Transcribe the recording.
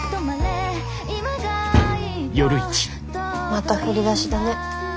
また振り出しだね。